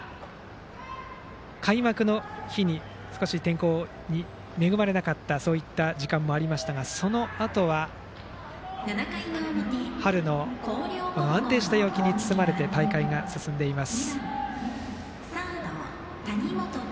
開幕の日に少し天候に恵まれなかった時間もありましたがそのあとは春の安定した陽気に包まれて大会が進んでいます。